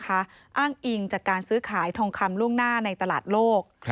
อ้างอิงจากการซื้อขายทองคำล่วงหน้าในตลาดโลก